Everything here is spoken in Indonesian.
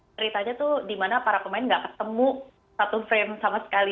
ceritanya tuh di mana para pemain nggak ketemu satu frame sama sekali